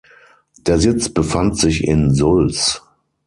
Der Sitz befand sich in Sulz.